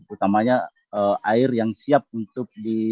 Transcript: utamanya air yang siap untuk di